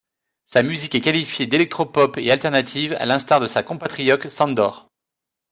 Sa musique est qualifiée d'electro-pop et alternative à l'instar de sa compatriote Sandor.